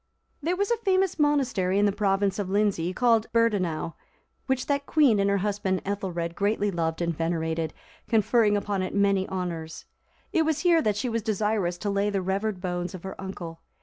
There is a famous monastery in the province of Lindsey, called Beardaneu,(344) which that queen and her husband Ethelred greatly loved and venerated, conferring upon it many honours. It was here that she was desirous to lay the revered bones of her uncle.